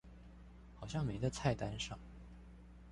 好像沒在菜單上